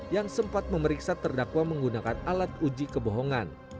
yang sempat memeriksa terdakwa menggunakan alat uji kebohongan